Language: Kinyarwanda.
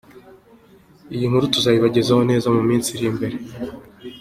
Iyi nkuru tuzayibagezaho neza mu minsi iri imbere.